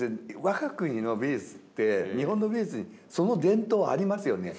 我が国の美術って日本の美術にその伝統はありますよね。